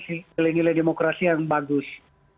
nilai nilai demokrasi yang bagus